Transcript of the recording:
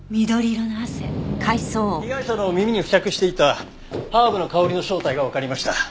被害者の耳に付着していたハーブの香りの正体がわかりました。